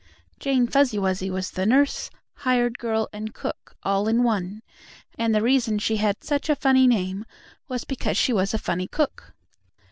Jane Fuzzy Wuzzy was the nurse, hired girl and cook, all in one, and the reason she had such a funny name was because she was a funny cook.